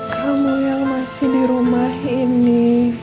kamu yang masih di rumah ini